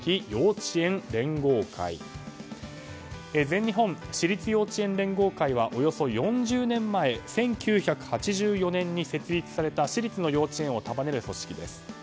全日本私立幼稚園連合会はおよそ４０年前１９８４年に設立された私立幼稚園を束ねる組織です。